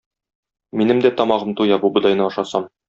Минем дә тамагым туя бу бодайны ашасам.